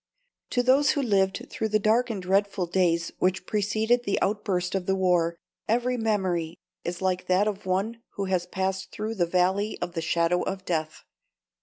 To those who lived through the dark and dreadful days which preceded the outburst of the war, every memory is like that of one who has passed through the valley of the shadow of death.